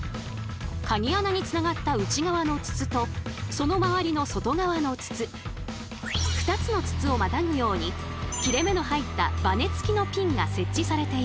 カギ穴につながった内側の筒とその周りの外側の筒２つの筒をまたぐように切れ目の入ったバネつきのピンが設置されています。